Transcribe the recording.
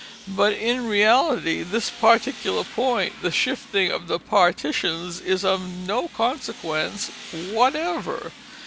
But, in reality, this particular point, the shifting of the partitions, is of no consequence whatever.